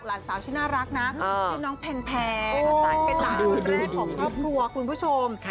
หลานสาวชิ้นน่ารักนะชื่อน้องแพงแพงต่างเป็นหลานแรกของพ่อผัวคุณผู้ชม